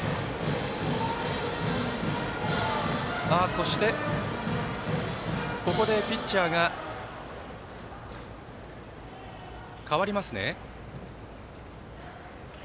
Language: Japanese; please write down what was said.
そして、ここでピッチャーが代わりますね。